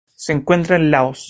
Se encuentra en Laos.